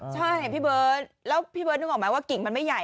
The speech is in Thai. ใช่พี่เบิร์ตแล้วพี่เบิร์ดนึกออกไหมว่ากิ่งมันไม่ใหญ่